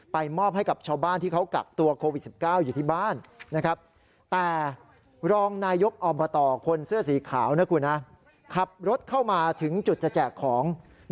ไปมอบให้กับชาวบ้านที่เขากลับตัวโควิด๑๙อยู่ที่บ้าน